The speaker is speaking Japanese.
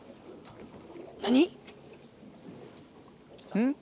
うん？